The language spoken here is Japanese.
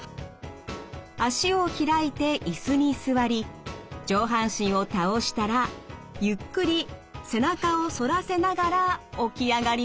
脚を開いて椅子に座り上半身を倒したらゆっくり背中を反らせながら起き上がります。